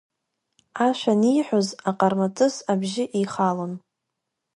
Ашәа аниҳәоз аҟармаҵыс абжьы ихалон.